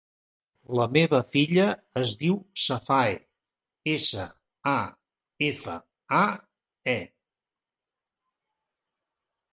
La meva filla es diu Safae: essa, a, efa, a, e.